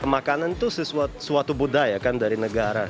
makanan itu suatu budaya kan dari negara